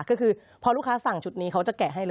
ก็คือพอลูกค้าสั่งชุดนี้เขาจะแกะให้เลย